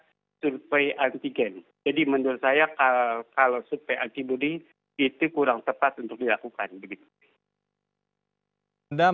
jadi menurut saya kalau survei antibody itu kurang tepat untuk dilakukan